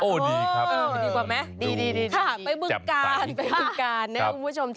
โอ้โฮดีครับ